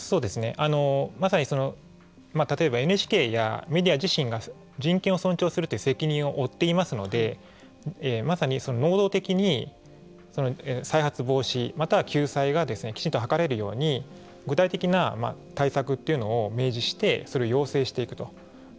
まさに例えばＮＨＫやメディア自身が人権を尊重するという責任を負っていますのでまさに能動的に再発防止または救済がきちんと図れるように具体的な対策というのを明示してそれを要請していくと。